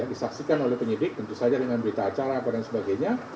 disaksikan oleh penyidik tentu saja dengan berita acara apa dan sebagainya